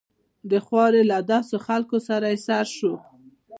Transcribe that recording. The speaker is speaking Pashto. د خوارې له داسې خلکو سره يې سر شو.